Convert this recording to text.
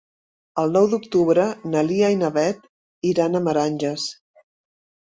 El nou d'octubre na Lia i na Beth iran a Meranges.